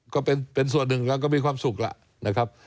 ก็เป็นส่วนหนึ่งแล้วก็มีความสุขแล้วนะครับ